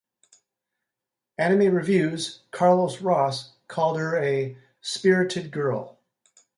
Anime Reviews, Carlos Ross called her a "spirited girl".